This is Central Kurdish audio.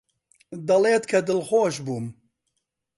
دەڵێت کە دڵخۆش بووم.